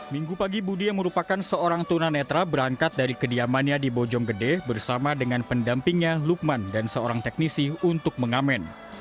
minggu pagi budi yang merupakan seorang tunanetra berangkat dari kediamannya di bojonggede bersama dengan pendampingnya lukman dan seorang teknisi untuk mengamen